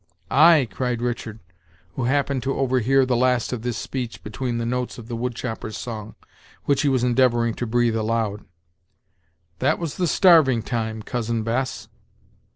"Ay!" cried Richard, who happened to overhear the last of this speech between the notes of the wood chopper's song, which he was endeavoring to breathe aloud; "that was the starving time,* Cousin Bess.